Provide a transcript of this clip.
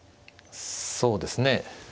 そうですね。